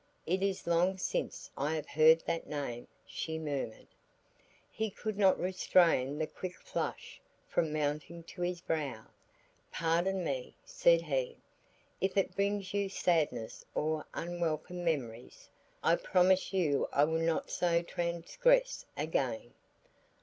It is long since I have heard that name," she murmured. He could not restrain the quick flush from mounting to his brow. "Pardon me," said he, "if it brings you sadness or unwelcome memories. I promise you I will not so transgress again."